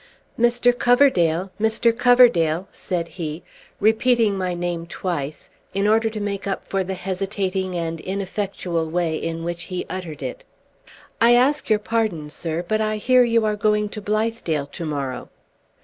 "Mr. Coverdale! Mr. Coverdale!" said he, repeating my name twice, in order to make up for the hesitating and ineffectual way in which he uttered it. "I ask your pardon, sir, but I hear you are going to Blithedale tomorrow."